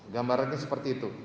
gambarnya seperti itu